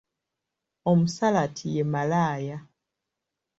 Omusalati ye malaaya.